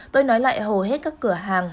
tôi nói lại hầu hết các cửa hàng